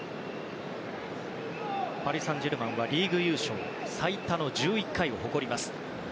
パリ・サンジェルマンはリーグ優勝最多の１１回を誇ります。